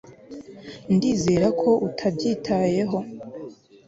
ndizera ko utabyitayeho